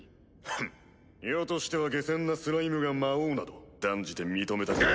ふむ余としては下賤なスライムが魔王など断じて認めたくはないが。